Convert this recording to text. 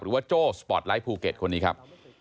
หรือว่าโจ๊กสปอร์ตไลท์ภูเก็ตคนนี้ครับ